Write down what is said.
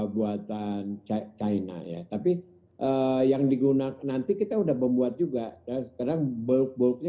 buatan cek china ya tapi yang digunakan nanti kita udah membuat juga dan sekarang berbuknya